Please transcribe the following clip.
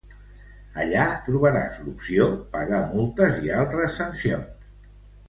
Allà trobaràs l'opció "Pagar multes i altres sancions".